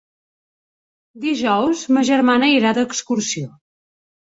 Dijous ma germana irà d'excursió.